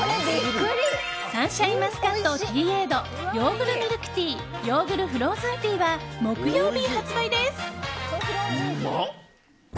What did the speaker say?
ＳＵＮシャインマスカットティーエードヨーグルミルクティーヨーグルフローズンティーは木曜日から発売です。